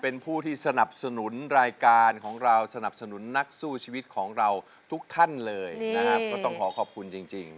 เป็นผู้ที่สนับสนุนรายการของเราสนับสนุนนักสู้ชีวิตของเราทุกท่านเลยนะครับก็ต้องขอขอบคุณจริง